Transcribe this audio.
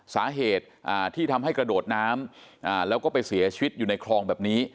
สาเหตุที่ทำให้กระโดดน้ำแล้วก็ไปเสียชีวิตอยู่ในคลองแบบนี้